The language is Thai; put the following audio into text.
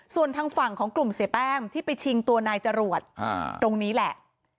ส่วนทางฝั่งของกลุ่มเสียแป้งที่ไปชิงตัวนายจรวดตรงนี้แหละ